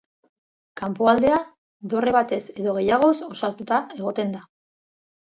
Kanpoaldea dorre batez edo gehiagoz osatuta egoten da.